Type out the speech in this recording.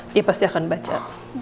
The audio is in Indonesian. dia pasti akan baca